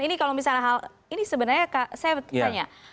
ini kalau misalnya hal ini sebenarnya saya tanya